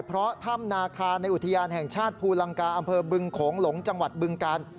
เพราะถ้ำนาคาในอุทยานแห่งชาติภูลังกาอำเภอบึงโขงหลงจังหวัดบึงกาล